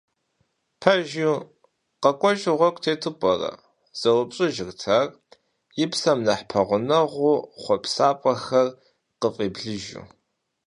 «Пэжу, къэкӀуэжу гъуэгу тету пӀэрэ?» — зэупщӀыжырт ар, и псэм нэхъ пэгъунэгъу хъуэпсапӀэхэр къыфӀеблыжу.